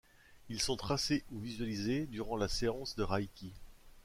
Ils sont tracés ou visualisés durant la séance de reiki.